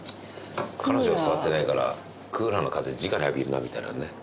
彼女が座ってないからクーラーの風じかに浴びるなみたいなね。